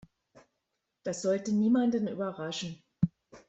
Das sollte niemanden überraschen.